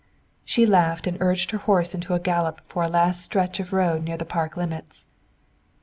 She laughed and urged her horse into a gallop for a last stretch of road near the park limits.